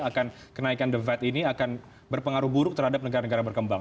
akan kenaikan the fed ini akan berpengaruh buruk terhadap negara negara berkembang